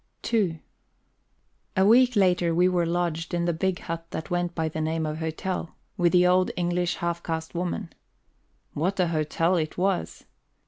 II A week later we were lodged in the big hut that went by the name of hotel, with the old English half caste woman. What a hotel it was!